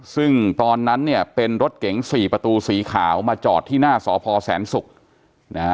ซึ่งตอนนั้นเนี่ยเป็นรถเก๋งสี่ประตูสีขาวมาจอดที่หน้าสพแสนศุกร์นะฮะ